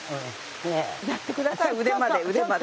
やってください腕まで腕まで。